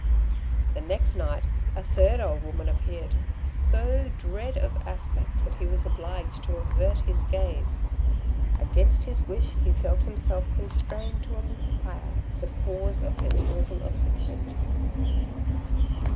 The next night a third old woman appeared, so dread of aspect that he was obliged to avert his gaze. Against his wish, he felt himself constrained to enquire the cause of her terrible affliction.